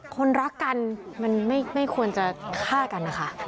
คนรักกันมันไม่ควรจะฆ่ากันนะคะ